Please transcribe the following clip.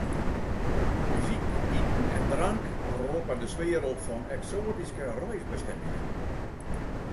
Muzyk, iten en drank roppe de sfear op fan eksoatyske reisbestimmingen.